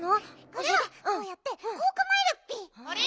これはこうやってこうかまえるッピ。あれ？